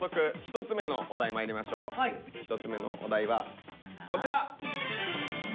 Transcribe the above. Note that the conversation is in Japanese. １つ目のお題はこちら！